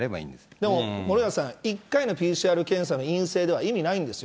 でも森永さん、１回のＰＣＲ検査の陰性では意味ないんですよ。